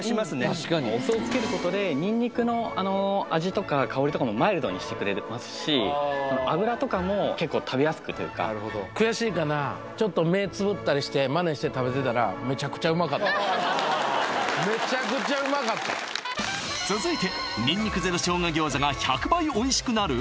確かにお酢つけることでにんにくの味とか香りとかもマイルドにしてくれますし脂とかも結構食べやすくというかなるほど悔しいかなマネしてめちゃくちゃうまかった続いてにんにくゼロ生姜餃子が１００倍おいしくなる！？